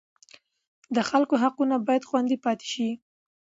د خلکو حقونه باید خوندي پاتې شي.